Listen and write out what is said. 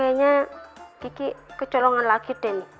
kayaknya kiki kecolongan lagi deh nih